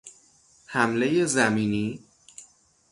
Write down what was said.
حملهی زمینی